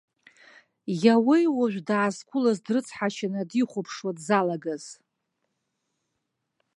Иауеи уажә даазқәылаз дрыцҳашьаны дихәаԥшуа дзалагаз?